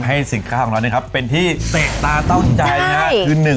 ให้สิ่งค่าของเราเป็นที่เตะตาต้องจัยนะครับ